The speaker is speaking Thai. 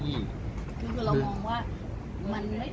พี่พอแล้วพี่พอแล้ว